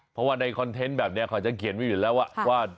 เพราะว่าในคอนเทนต์แบบนี้เขาจะเขียนไว้อยู่แล้วว่า